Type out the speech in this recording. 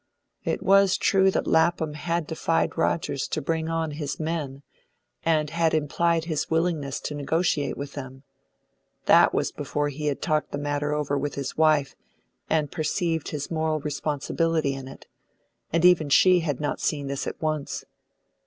It was true that Lapham had defied Rogers to bring on his men, and had implied his willingness to negotiate with them. That was before he had talked the matter over with his wife, and perceived his moral responsibility in it; even she had not seen this at once.